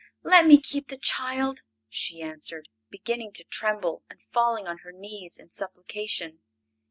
"Let me keep the child!" she answered, beginning to tremble and falling on her knees in supplication.